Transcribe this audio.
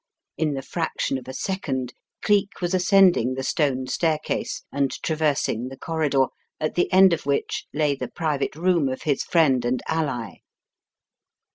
In the fraction of a second Cleek was ascending the stone staircase and travers ing the corridor, at the end of which lay the pri vate room of his friend and ally.